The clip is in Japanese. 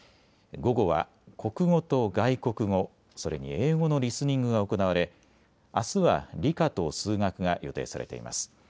午後は国語と外国語、それに英語のリスニングが行われあすは理科と数学が予定されています。